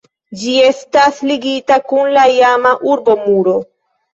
Ĝi estas ligita kun la iama urbomuro.